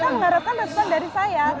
mereka merupakan respon dari saya